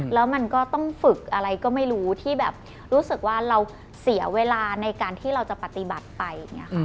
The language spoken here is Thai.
แล้วมันก็ต้องฝึกอะไรก็ไม่รู้ที่แบบรู้สึกว่าเราเสียเวลาในการที่เราจะปฏิบัติไปอย่างนี้ค่ะ